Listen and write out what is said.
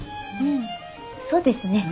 そうですね。